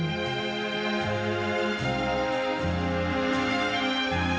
บรรยาศาสตรีประตูนุศาสตรี